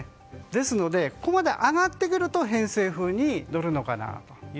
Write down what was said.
なので、ここまで上がってくると偏西風に乗るのかなと。